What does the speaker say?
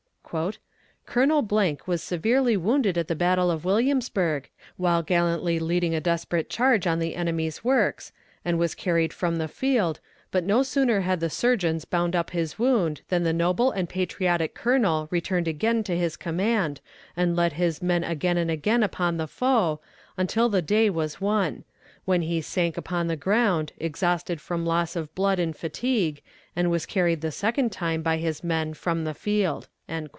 "Colonel was severely wounded at the battle of Williamsburg, while gallantly leading a desperate charge on the enemy's works, and was carried from the field, but no sooner had the surgeons bound up his wound than the noble and patriotic colonel returned again to his command and led his men again and again upon the foe, until the day was won; when he sank upon the ground, exhausted from loss of blood and fatigue, and was carried the second time by his men from the field."